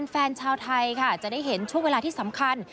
แฟนชาวไทยค่ะจะได้เห็นช่วงเวลาที่สำคัญ